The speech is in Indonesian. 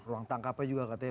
ruang tangkapnya juga katanya